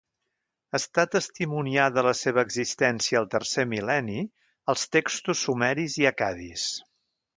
Està testimoniada la seva existència al tercer mil·lenni als textos sumeris i accadis.